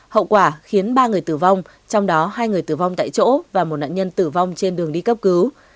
hậu quả khiến ba người tử vong trong đó hai người tử vong tại chỗ và một nạn nhân tử vong trên đường đi cấp cứu